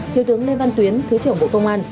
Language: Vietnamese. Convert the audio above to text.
thiếu tướng lê văn tuyến thứ trưởng bộ công an